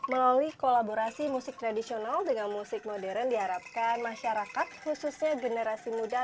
melalui kolaborasi musik tradisional dengan musik modern diharapkan masyarakat khususnya generasi muda